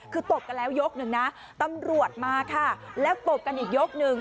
คือตบกันแล้วยกหนึ่งนะตำรวจมาค่ะแล้วตบกันอีกยกหนึ่ง